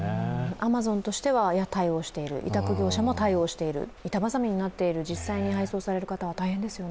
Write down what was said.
アマゾンとしては対応している、委託業者も対応している、板挟みになっている実際に配送している方は大変ですよね。